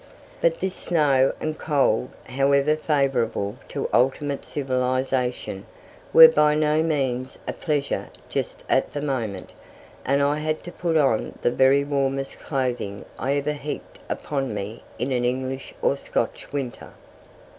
But this snow and cold, however favourable to ultimate civilization, were by no means a pleasure just at the moment, and I had to put on the very warmest clothing I ever heaped upon me in an English or Scotch winter.